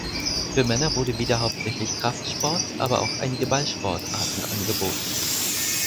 Für Männer wurde wieder hauptsächlich Kraftsport, aber auch einige Ballsportarten angeboten.